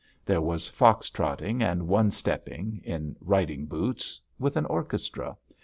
There was fox trotting and one stepping, in riding boots, with an orchestra.